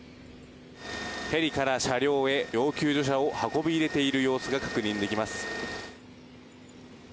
ヘリから車両へ、要救助者を運び入れている様子が確認できます。